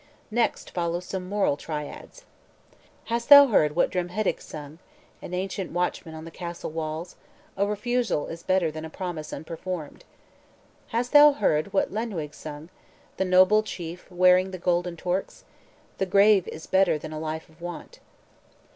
Next follow some moral triads: "Hast thou heard what Dremhidydd sung, An ancient watchman on the castle walls? A refusal is better than a promise unperformed." "Hast thou heard what Llenleawg sung, The noble chief wearing the golden torques? The grave is better than a life of want."